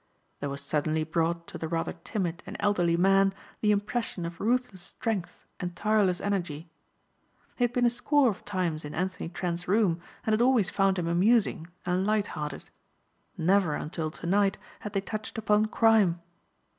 There was suddenly brought to the rather timid and elderly man the impression of ruthless strength and tireless energy. He had been a score of times in Anthony Trent's room and had always found him amusing and light hearted. Never until to night had they touched upon crime.